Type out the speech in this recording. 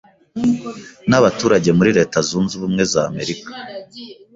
n’abaturage muri leta zunze ubumwe z’Amerika.